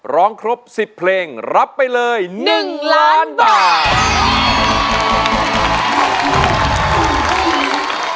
ร้องครบ๑๐เพลงรับไปเลย๑ล้านบาท